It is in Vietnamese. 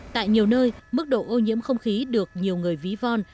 tại nhiều nơi mức độ ô nhiễm không khí được nhiều người ví von